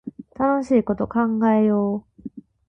楽しいこと考えよう